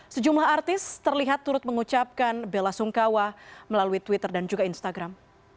sejumlah artis terlihat turut mengucapkan bela sungkawa melalui twitter dan juga instagram